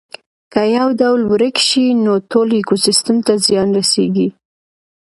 که یو ډول ورک شي نو ټول ایکوسیستم ته زیان رسیږي